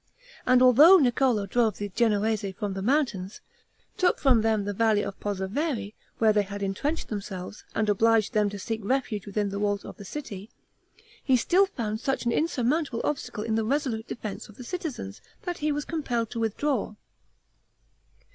And although Niccolo drove the Genoese from the mountains, took from them the valley of Pozeveri, where they had entrenched themselves, and obliged them to seek refuge within the walls of the city, he still found such an insurmountable obstacle in the resolute defense of the citizens, that he was compelled to withdraw.